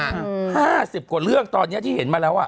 ๕๐กว่าเรื่องที่เห็นมาแล้วค่ะ